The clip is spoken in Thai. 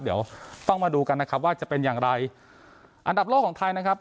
เดี๋ยวต้องมาดูกันนะครับว่าจะเป็นอย่างไรอันดับโลกของไทยนะครับ